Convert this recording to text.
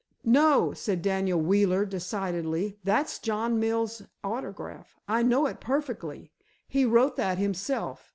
"No," said Daniel Wheeler, decidedly; "that's John Mills' autograph. I know it perfectly. He wrote that himself.